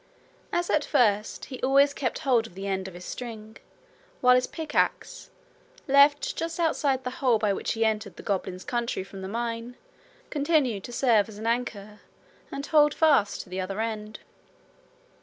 As at first, he always kept hold of the end of his string, while his pickaxe, left just outside the hole by which he entered the goblins' country from the mine, continued to serve as an anchor and hold fast the other end.